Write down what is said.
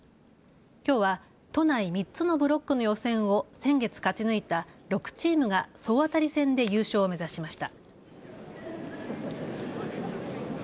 きょうは都内３つのブロックの予選を先月、勝ち抜いた６チームが総当たり戦で優勝を目指しました。